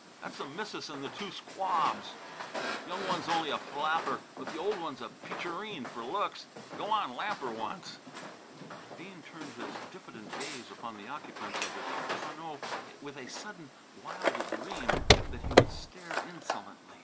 That's the Missis and the two squabs. Young one's only a flapper, but the old one's a peacherine for looks. Go on, lamp her once!" Bean turned his diffident gaze upon the occupants of the tonneau with a sudden wild dream that he would stare insolently.